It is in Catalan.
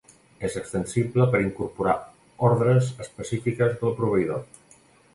És extensible per incorporar ordres específiques del proveïdor.